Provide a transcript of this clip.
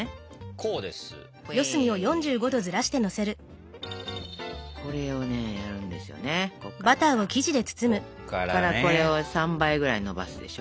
ここからこれを３倍ぐらいにのばすでしょ？